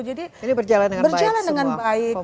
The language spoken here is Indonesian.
jadi berjalan dengan baik semua komunikasi